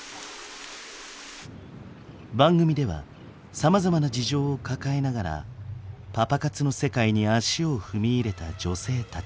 番組ではさまざまな事情を抱えながらパパ活の世界に足を踏み入れた女性たちや。